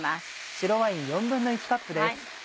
白ワイン１／４カップです。